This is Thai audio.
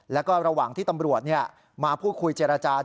แล้วก็ระหว่างที่ตำรวจมาพูดคุยเจรจา